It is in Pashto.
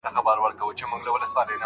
آیا تلسکوپ تر سترګو لري ویني؟